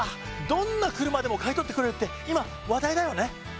どんな車でも買い取ってくれるって今話題だよね。